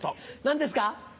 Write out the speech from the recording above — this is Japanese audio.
何ですか？